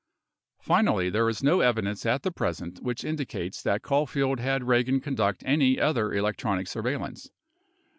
28 Finally, there is no evidence at the present which indicates that Caulfield had Eagan conduct any other electronic surveillance.